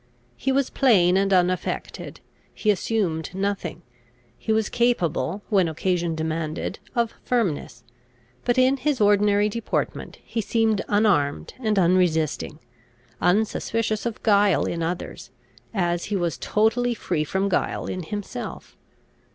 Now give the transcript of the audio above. He was plain and unaffected; he assumed nothing; he was capable, when occasion demanded, of firmness, but, in his ordinary deportment, he seemed unarmed and unresisting, unsuspicious of guile in others, as he was totally free from guile in himself.